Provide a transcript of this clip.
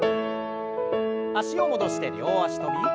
脚を戻して両脚跳び。